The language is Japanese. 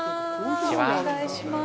お願いします。